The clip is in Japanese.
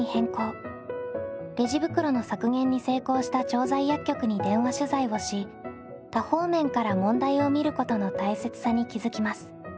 レジ袋の削減に成功した調剤薬局に電話取材をし多方面から問題を見ることの大切さに気付きます。